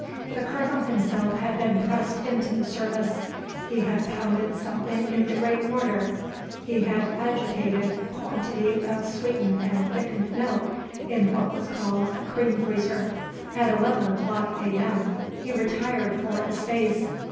The Colonel himself had been pressed into the service. He had pounded something in the great mortar. He had agitated a quantity of sweetened and thickened milk in what was called a cream freezer. At eleven o'clock, A. M., he retired for a space.